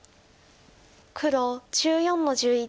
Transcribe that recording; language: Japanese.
黒１４の十一。